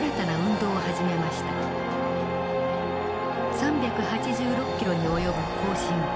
３８６キロに及ぶ行進。